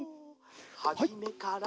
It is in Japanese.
「はじめから」